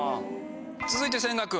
続いて千賀君。